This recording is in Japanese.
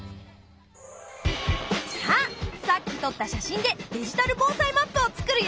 さあさっき撮った写真でデジタル防災マップをつくるよ！